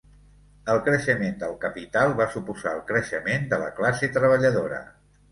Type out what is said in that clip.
El creixement del capital va suposar el creixement de la classe treballadora.